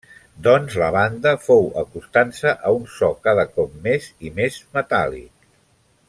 Doncs, la banda fou acostant-se a un so cada cop més i més metàl·lic.